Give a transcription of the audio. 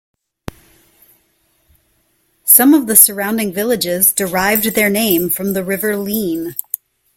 Some of the surrounding villages derived their name from the River Leen.